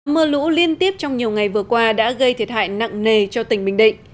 mưa lũ liên tiếp trong nhiều ngày vừa qua đã gây thiệt hại nặng nề cho tỉnh bình định